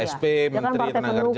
ksp menteri tenaga kerja